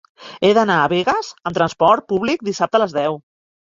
He d'anar a Begues amb trasport públic dissabte a les deu.